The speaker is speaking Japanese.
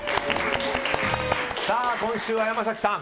今週は、山崎さん。